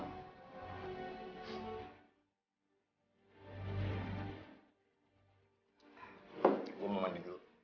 gue mau mandi dulu